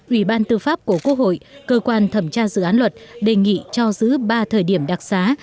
ủy ban tư pháp của quốc hội cơ quan thẩm tra dự án luật đề nghị cho giữ ba thời điểm đặc xá